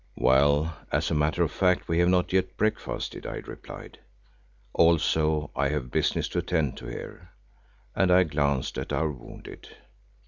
"Well, as a matter of fact we have not yet breakfasted," I replied. "Also I have business to attend to here," and I glanced at our wounded.